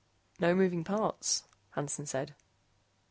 "No moving parts." Hansen said.